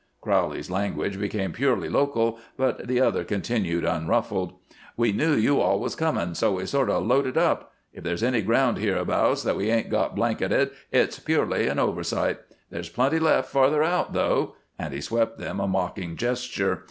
Crowley's language became purely local, but the other continued unruffled. "We knew you all was coming, so we sort of loaded up. If there's any ground hereabouts that we ain't got blanketed, it's purely an oversight. There's plenty left farther out, though," and he swept them a mocking gesture.